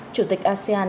chủ tịch asean